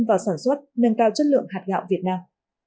vào sản xuất nâng cao chất lượng hạt gạo việt nam